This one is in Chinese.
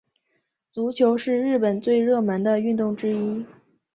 足球是日本最热门的运动之一。